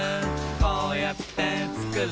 「こうやってつくる